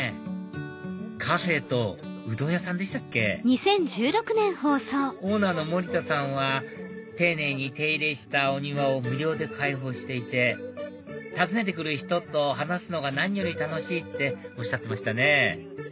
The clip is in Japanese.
カフェとうどん屋さんでしたっけオーナーの森田さんは丁寧に手入れしたお庭を無料で開放していて訪ねて来る人と話すのが何より楽しいっておっしゃってましたね